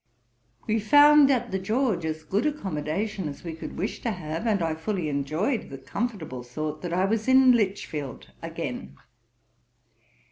We found at the George as good accommodation as we could wish to have, and I fully enjoyed the comfortable thought that I was in Lichfield again.